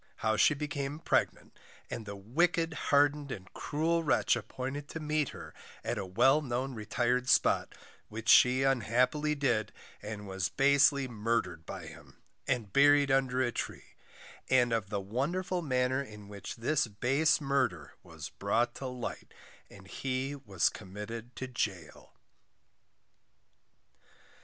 How she became Pregnant, and the wicked hardened, and cruel Wretch appointed to meet her at a well known retired spot, which she unhappily did, and was basely Murdered by him, and buried under a Tree, and of the wonderful manner in which this base Murder was brought to light, and he was committed to Gaol.